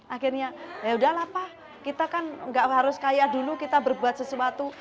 akhirnya yaudah lah pak kita kan nggak harus kaya dulu kita berbuat sesuatu